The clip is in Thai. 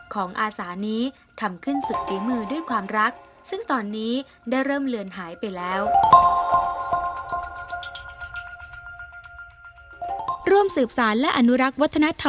อาสานี้ทำขึ้นสุดฝีมือด้วยความรักซึ่งตอนนี้ได้เริ่มเลือนหายไปแล้ว